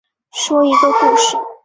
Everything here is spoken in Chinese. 说一个故事